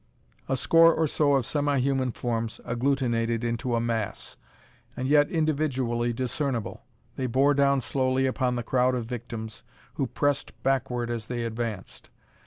A score or so of semi human forms, agglutinated into a mass, and yet individually discernible. They bore down slowly upon the crowd of victims, who pressed backward as they advanced.